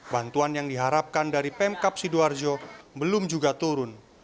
bantuan yang diharapkan dari pemkap sidoarjo belum juga turun